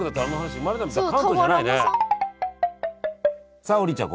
さあ王林ちゃん